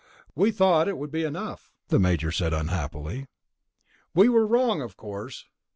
"We thought it would be enough," the Major said unhappily. "We were wrong, of course.